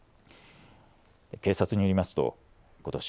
警察によりますと、ことし